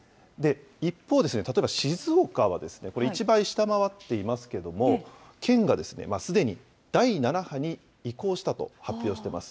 一方、例えば静岡は、これ、１倍下回っていますけれども、県がすでに第７波に移行したと発表しています。